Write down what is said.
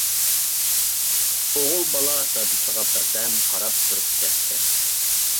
ئوغۇل بالا دادىسىغا بىردەم قاراپ تۇرۇپ كەتتى.